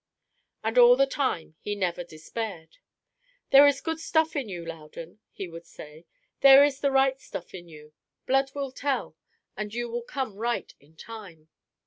And all the time he never despaired. "There is good stuff in you, Loudon," he would say; "there is the right stuff in you. Blood will tell, and you will come right in time.